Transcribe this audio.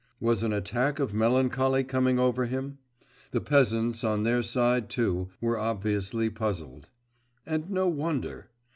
Was an attack of melancholy coming over him? The peasants, on their side, too, were obviously puzzled. And no wonder!